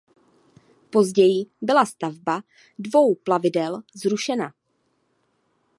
Později byla stavba dvou plavidel zrušena.